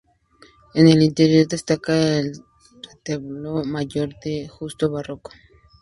En el interior destaca el retablo mayor de gusto barroco.